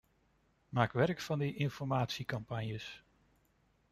Maak werk van die informatiecampagnes.